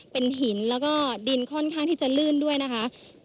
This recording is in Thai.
เป็นหินแล้วก็ดินค่อนข้างที่จะลื่นด้วยนะคะ